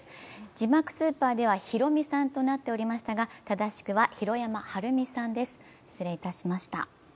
字幕スーパーではヒロミさんとなっておりましたが正しくは弘山晴美さんです、失礼しました。